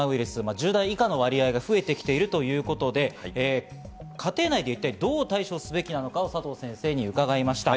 １０代以下の割合が増えてきているということで、家庭内でどういった対処をすればいいのかを伺いました。